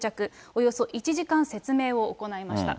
およそ１時間説明を行いました。